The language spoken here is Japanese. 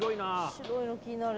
白いの気になる。